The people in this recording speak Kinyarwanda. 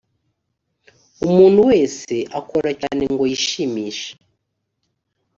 umuntu wese akora cyane ngoyishimishe.